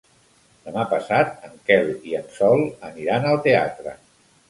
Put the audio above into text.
Demà passat en Quel i en Sol aniran al teatre.